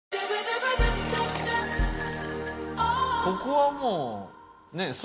ここはもうね。